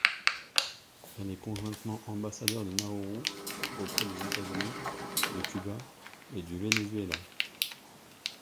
Elle est conjointement ambassadeur de Nauru auprès des États-Unis, de Cuba et du Venezuela.